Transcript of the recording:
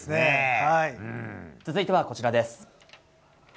続いてはこちらです。